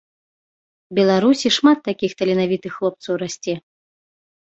Беларусі шмат такіх таленавітых хлопцаў расце.